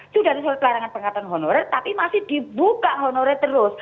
sudah ada surat larangan pengaturan honorer tapi masih dibuka honorer terus